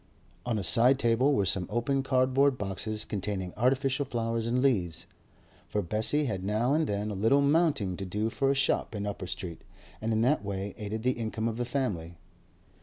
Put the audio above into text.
On a side table were some open cardboard boxes containing artificial flowers and leaves; for Bessie had now and then a little 'mounting' to do for a shop in Upper Street, and in that way aided the income of the family.